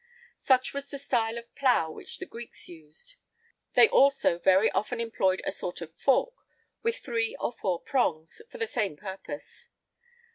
Such was the style of plough which the Greeks used.[I 32] They also very often employed a sort of fork, with three or four prongs, for the same purpose.